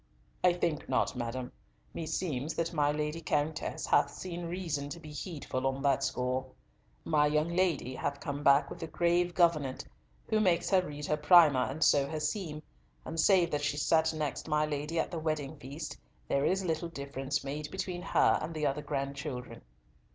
"I think not, madam. Meseems that my Lady Countess hath seen reason to be heedful on that score. My young lady hath come back with a grave gouvernante, who makes her read her primer and sew her seam, and save that she sat next my Lady at the wedding feast there is little difference made between her and the other grandchildren."